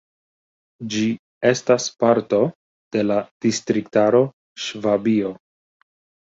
Ĝi estas parto de la distriktaro Ŝvabio.